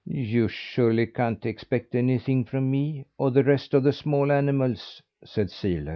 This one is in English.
"You surely can't expect anything from me, or the rest of the small animals!" said Sirle.